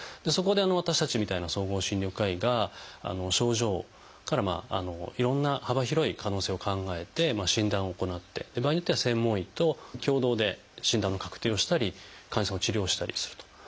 そこで私たちみたいな総合診療科医が症状からいろんな幅広い可能性を考えて診断を行って場合によっては専門医と共同で診断の確定をしたり患者さんを治療したりすると。